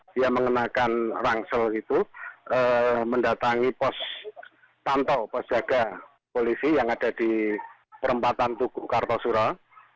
dia mengenakan rangsel itu mendatangi pos pantau pos jaga polisi yang ada di perempatan tugu kartosura